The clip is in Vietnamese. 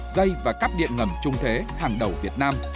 dây và cắp điện ngầm trung thế hàng đầu việt nam